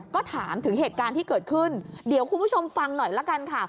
ก็ถามถึงเหตุการณ์ที่เกิดขึ้นเดี๋ยวคุณผู้ชมฟังหน่อยละกันค่ะ